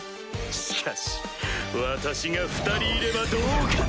しかし私が２人いればどうかな？